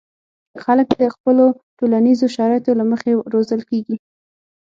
خلک د خپلو ټولنیزو شرایطو له مخې روزل کېږي.